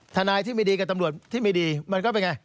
ทนายที่ไม่ดีกับตำรวจที่ไม่ดีมันก็เป็นไง